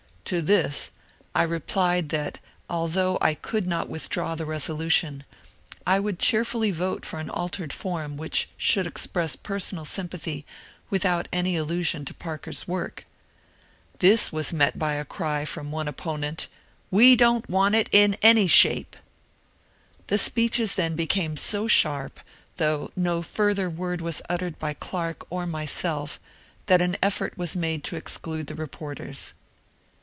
To this I replied that BREAKFAST WITH QUINCY 297 although I could not withdraw the resolution, I would cheer fully vote for an altered form which should express personal sympathy without any allusion to Parker's work. This was met by a cry from one opponent, " We don't want it in any shape !" The speeches then became so sharp, though no further word was uttered by Clarke or myself, that an effort was made to exclude the reporters.